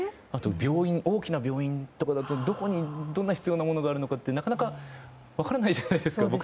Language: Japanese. あと、大きな病院とかだとどこにどんな必要なものがあるのかとかなかなか分からないじゃないですか